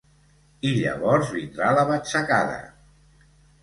I llavors vindrà la batzacada.